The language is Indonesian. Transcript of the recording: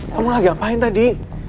kamu lagi ngapain tadi